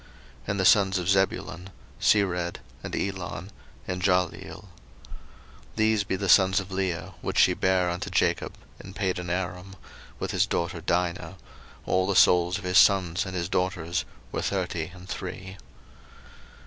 01:046:014 And the sons of Zebulun; Sered, and Elon, and Jahleel. 01:046:015 These be the sons of Leah, which she bare unto Jacob in Padanaram, with his daughter Dinah: all the souls of his sons and his daughters were thirty and three.